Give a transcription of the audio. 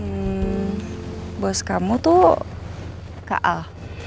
hmm bos kamu tuh kak al